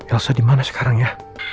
elsa dimana sekarang ya